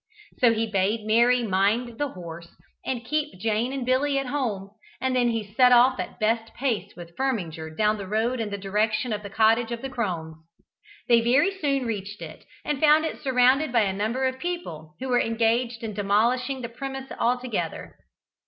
So he bade Mary mind the house, and keep Jane and Billy at home, and then he set off at best pace with Firminger down the road in the direction of the cottage of the crones. They very soon reached it, and found it surrounded by a number of people, who were engaged in demolishing the premises altogether.